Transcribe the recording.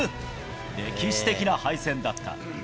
歴史的な敗戦だった。